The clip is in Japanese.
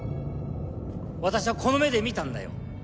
私はこの目で見たんだよ